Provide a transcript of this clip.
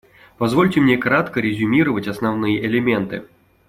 Позвольте мне кратко резюмировать основные элементы.